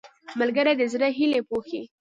ملګری د زړه هیلې پوښي